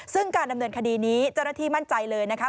ซึ่งการดำเนินคดีนี้เจ้าหน้าที่มั่นใจเลยนะคะ